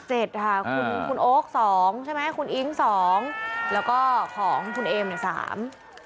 เจ็ดค่ะคุณโอ๊คสองใช่ไหมคุณอิ๊งสองแล้วก็ของคุณเอมสาม